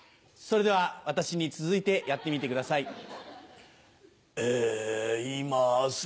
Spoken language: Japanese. それでは私に続いてやってみてください。